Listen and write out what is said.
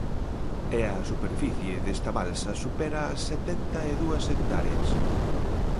E a superficie desta balsa supera as setenta e dúas hectáreas.